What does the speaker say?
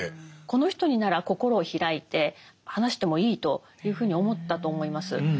この人になら心を開いて話してもいいというふうに思ったと思います。